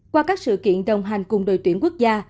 qua các sự kiện đồng hành cùng đội tuyển quốc gia